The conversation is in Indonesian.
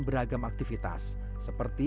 beragam aktivitas seperti